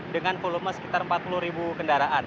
dengan volume sekitar empat puluh ribu kendaraan